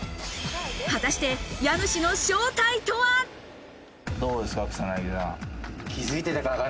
果たして家主の正体とは？どうですか？